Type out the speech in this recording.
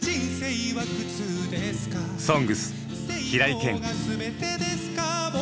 「ＳＯＮＧＳ」平井堅。